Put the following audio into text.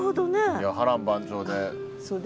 いや波乱万丈で。